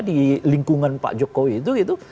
di lingkungan pak jokowi itu gitu